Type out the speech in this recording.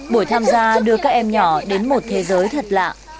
buổi tham gia đưa các em nhỏ đến một thế giới thật lạ